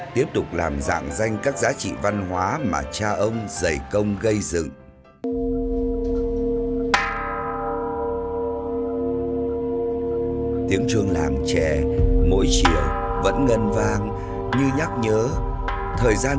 tiếp tục làm dạng danh các giá trị văn hóa mà cha ông giày công gây dựng